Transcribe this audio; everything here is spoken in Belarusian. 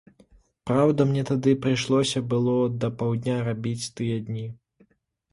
Праўда, мне тады прыйшлося было да паўдня рабіць тыя дні.